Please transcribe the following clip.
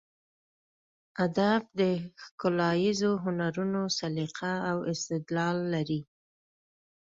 ادب د ښکلاییزو هنرونو سلیقه او استدلال لري.